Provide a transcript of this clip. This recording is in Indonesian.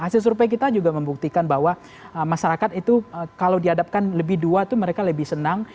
hasil survei kita juga membuktikan bahwa masyarakat itu kalau dihadapkan lebih dua itu mereka lebih senang